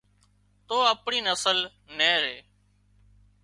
تو اپڻي نسل نين ري